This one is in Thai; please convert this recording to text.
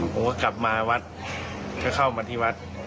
ผมก็กลับมาวัดก็เข้ามาที่วัด